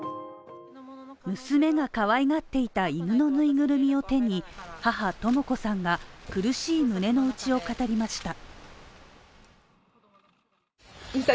娘がかわいがっていた犬のぬいぐるみを手に母とも子さんが苦しい胸の内を語りました。